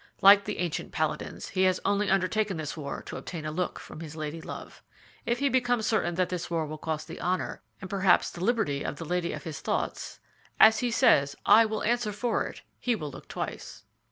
"Like the ancient paladins, he has only undertaken this war to obtain a look from his lady love. If he becomes certain that this war will cost the honor, and perhaps the liberty, of the lady of his thoughts, as he says, I will answer for it he will look twice."